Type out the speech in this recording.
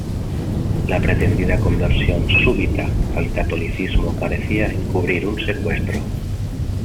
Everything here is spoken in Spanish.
La pretendida conversión súbita al catolicismo parecía encubrir un secuestro.